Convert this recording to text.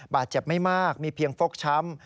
บาดเจ็บไม่มากมีเพียงฟกช้ำ